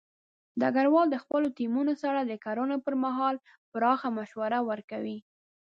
ډګروال د خپلو ټیمونو سره د کړنو پر مهال پراخه مشوره ورکوي.